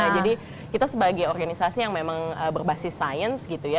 jadi kita sebagai organisasi yang memang berbasis sains gitu ya